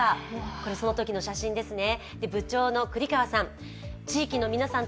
これ、そのときの写真ですね。